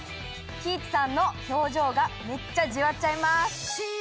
キーツさんの表情がめっちゃジワっちゃいます。